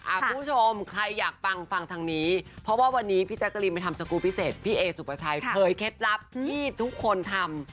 คุณผู้ชมใครอยากฟังฟังทางนี้เพราะว่าวันนี้พี่แจ๊กกะรีนไปทำสกูลพิเศษพี่เอสุปชัยเผยเคล็ดลับที่ทุกคนทำ